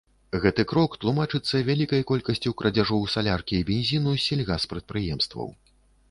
Гэты крок тлумачыцца вялікай колькасцю крадзяжоў саляркі і бензіну з сельгаспрадпрыемстваў.